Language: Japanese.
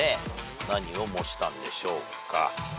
何を模したんでしょうか。